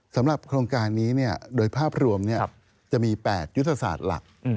สำหรับโครงการนี้โดยภาพรวมจะมี๘ยุทธศาสตร์หลัก